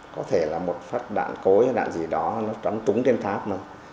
có thể là một phát đạn cối hay đạn gì đó nó trắng trúng trên tháp mà